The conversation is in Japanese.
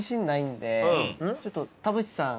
ちょっと田渕さん